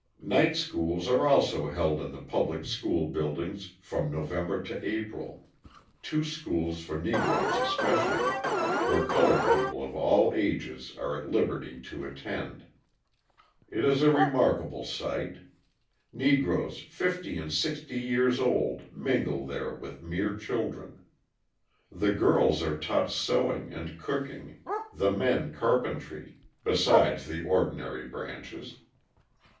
Night schools are also held in the public school buildings from November to April two schools for Negroes especially, where coloured people of all ages are at liberty to attend. It is a remarkable sight: Negroes fifty and sixty years old mingle there with mere children. The girls are taught sewing and cooking, the men carpentry besides the ordinary branches.